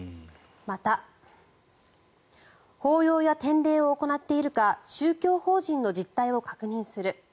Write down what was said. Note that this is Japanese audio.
また、法要や典礼を行っているか宗教法人の実態を確認する。